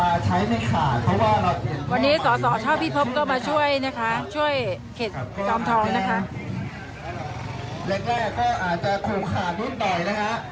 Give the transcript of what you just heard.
แรกแรกก็อาจจะคูกขาดนุ่นหน่อยนะครับ